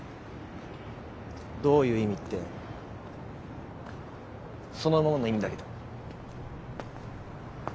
どういう意味ってそのままの意味だけど。